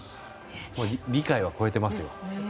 理解は超えてますよ。